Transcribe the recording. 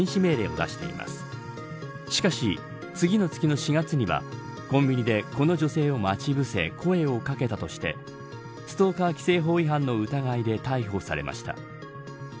しかし、次の月の４月にはコンビニでこの女性を待ち伏せ声を掛けたとしてストーカー規制法違反の疑いで逮捕されました。